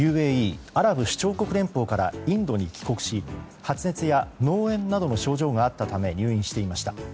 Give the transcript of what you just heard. ＵＡＥ・アラブ首長国連邦からインドに帰国し発熱や脳炎などの症状があったため入院していました。